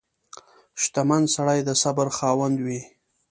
• شتمن سړی د صبر خاوند وي.